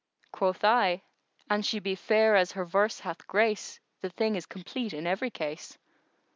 Quoth I, "An she be fair as her verse hath grace, the thing is complete in every case."